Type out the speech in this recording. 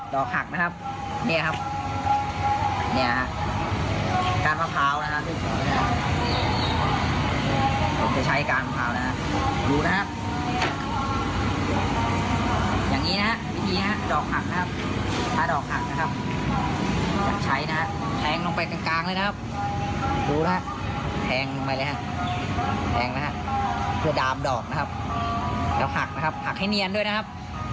ดอกดาวเรืองตั้งตรงแต่งนะครับเพื่อดามดอกนะครับแล้วหักนะครับหักให้เนียนด้วยนะครับ